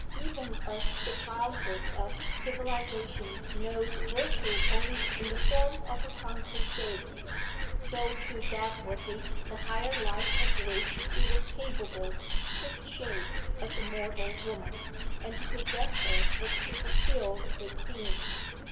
Even as the childhood of civilisation knows virtue only in the form of a concrete deity, so to Dagworthy the higher life of which he was capable took shape as a mortal woman, and to possess her was to fulfil his being.